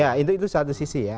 ya itu satu sisi ya